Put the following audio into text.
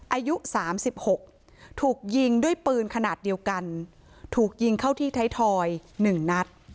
อายุ๓๖ถูกยิงด้วยปืนขนาดเดียวกันถูกยิงเข้าที่ไทยทอย๑นัด